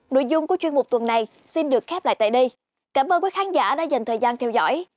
nội dung của chuyên mục tuần này xin được khép lại tại đây cảm ơn quý khán giả đã dành thời gian theo dõi